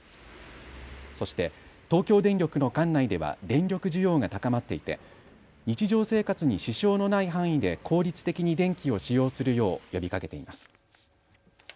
そして東京電力の管内では電力需要が高まっていて日常生活に支障のない範囲で効率的に電気を使用するよう呼びかけています。